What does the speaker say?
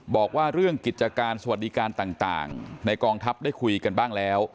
บอกว่าเรื่องกิจการสวัสดิการต่างในกองทัพได้คุยกันบ้างแล้ว